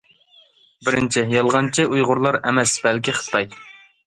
بىرىنچى: يالغانچى ئۇيغۇرلار ئەمەس، بەلكى خىتاي.